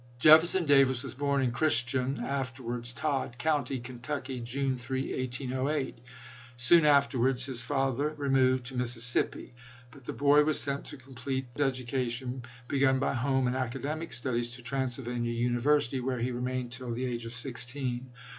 Jefferson Davis was born in Christian (after wards Todd) County, Kentucky, June 3, 1808. Soon afterwards his father removed to Missis sippi ; but the boy was seut to complete the edu cation begun by home and academic studies, to Transylvania University, where he remained till the age of sixteen.